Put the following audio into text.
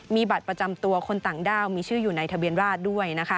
มีบัตรประจำตัวคนต่างด้าวมีชื่ออยู่ในทะเบียนราชด้วยนะคะ